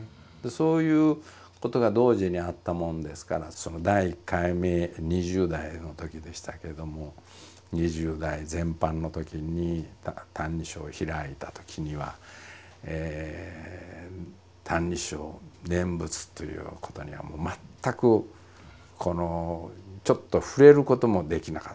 そういうことが同時にあったもんですから第１回目２０代のときでしたけども２０代前半のときに「歎異抄」を開いたときには「歎異抄」念仏ということにはもう全くちょっと触れることもできなかった。